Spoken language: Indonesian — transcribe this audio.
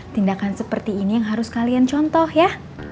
tindakan seperti ini yang harus kalian contoh ya